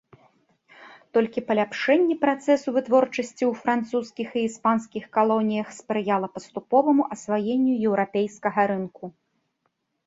Толькі паляпшэнне працэсу вытворчасці ў французскіх і іспанскіх калоніях спрыяла паступоваму асваенню еўрапейскага рынку.